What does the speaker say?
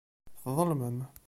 Tḍelmem.